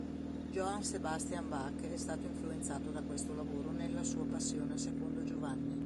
Johann Sebastian Bach è stato influenzato da questo lavoro nella sua "Passione secondo Giovanni".